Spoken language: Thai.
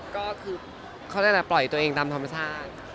ก็คือเขาได้ปล่อยตัวเองตามธรรมชาติ